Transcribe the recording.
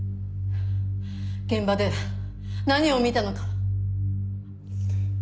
現場で何を見たのか。